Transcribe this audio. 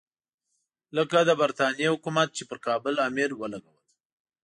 لکه د برټانیې حکومت چې پر کابل امیر ولګول.